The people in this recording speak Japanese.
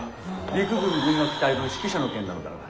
陸軍軍楽隊の指揮者の件なのだが。